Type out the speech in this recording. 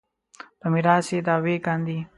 په میراث یې دعوې کاندي.